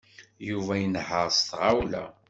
Yuba inehheṛ s tɣawla.